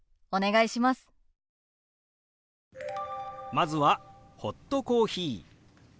まずは「ホットコーヒー」。